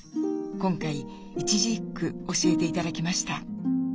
今回一字一句教えて頂きました。